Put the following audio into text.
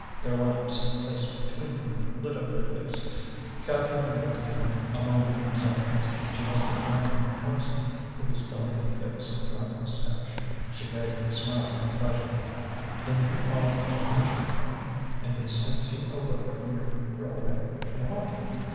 Their lamps, placed between them, lit up their faces. Catherine looked at him a moment in silence. She must have found him handsome, with his delicate face and black moustache. She vaguely smiled with pleasure. "Then you are an engine driver, and they sent you away from your railway. Why?"